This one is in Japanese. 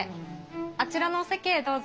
あちらのお席へどうぞ。